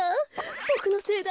ボクのせいだ！